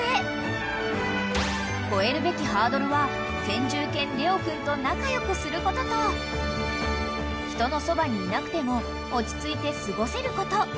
［越えるべきハードルは先住犬レオ君と仲良くすることと人のそばにいなくても落ち着いて過ごせること］